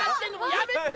やめて！